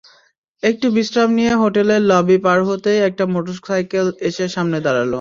একটু বিশ্রাম নিয়ে হোটেলের লবি পার হতেই একটা মোটরসাইকেল এসে সামনে দাঁড়াল।